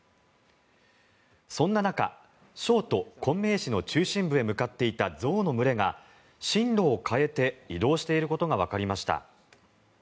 そんな中省都・昆明市の中心部へ向かっていた象の群れが進路を変えて移動していることがわかりました。